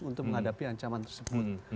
untuk menghadapi ancaman tersebut